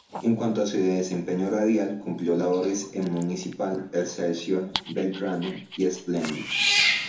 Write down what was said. En cuanto a su desempeño radial, cumplió labores en Municipal, Excelsior, Belgrano y Splendid.